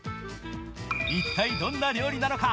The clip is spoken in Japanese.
一体どんな料理なのか。